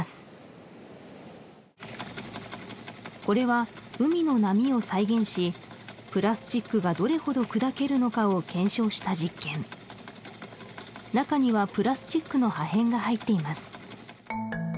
これは海の波を再現しプラスチックがどれほど砕けるのかを検証した実験中にはプラスチックの破片が入っています